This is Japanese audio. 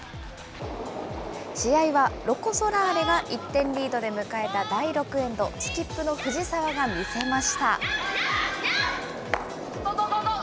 試合はロコ・ソラーレが１点リードで迎えた第６エンド、スキップの藤澤が見せました。